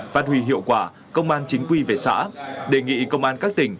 phát huy hiệu quả công an chính quy về xã đề nghị công an các tỉnh